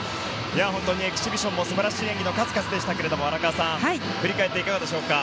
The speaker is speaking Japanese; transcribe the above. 本当にエキシビションも素晴らしい演技の数々でしたが荒川さん振り返っていかがでしょうか。